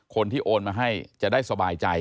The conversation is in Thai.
คนที่โอนมาให้จะได้สบายใจ